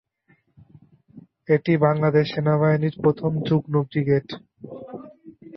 এটি বাংলাদেশ সেনাবাহিনীর প্রথম যুগ্ম ব্রিগেড।